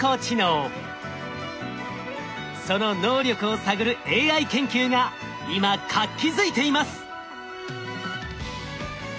その能力を探るＡＩ研究が今活気づいています。